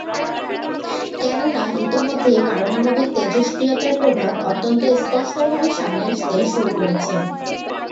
কেননা ইতোমধ্যেই পারমাণবিক তেজস্ক্রিয়তার প্রভাব অত্যন্ত স্পষ্টভাবেই সামনে আসতে শুরু করেছে।